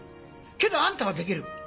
けどあんたはできる！